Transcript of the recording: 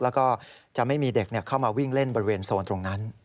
แล้วก็จะไม่มีเด็กเข้ามาวิ่งเล่นบริเวณโซนตรงนั้น